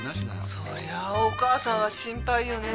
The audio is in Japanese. それはお母さんは心配よね。